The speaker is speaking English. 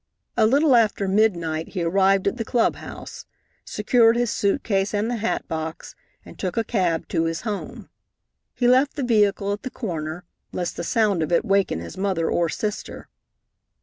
A little after midnight he arrived at the club house, secured his suit case and the hat box, and took a cab to his home. He left the vehicle at the corner, lest the sound of it waken his mother or sister.